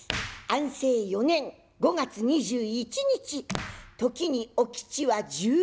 安政４年５月２１日時にお吉は１７歳。